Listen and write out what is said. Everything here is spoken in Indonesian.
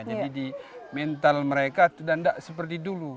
jadi di mental mereka tidak seperti dulu